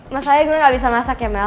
masalahnya gue gak bisa masak ya mel